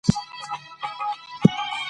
د ارغنداب سیند اهمیت باید نسل په نسل انتقال سي.